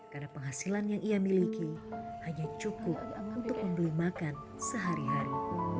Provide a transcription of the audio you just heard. karena penghasilan yang ia miliki hanya cukup untuk membeli makan sehari hari